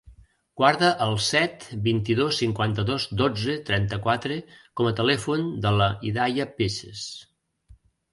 Guarda el set, vint-i-dos, cinquanta-dos, dotze, trenta-quatre com a telèfon de la Hidaya Peces.